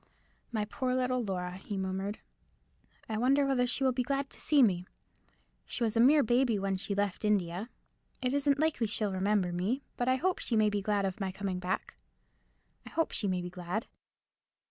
"My poor little Laura!" he murmured; "I wonder whether she will be glad to see me. She was a mere baby when she left India. It isn't likely she'll remember me. But I hope she may be glad of my coming back—I hope she may be glad."